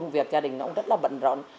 việc gia đình ông rất là bận rộn